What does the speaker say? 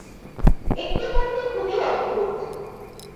একটি মূর্তি খুবই অদ্ভুত।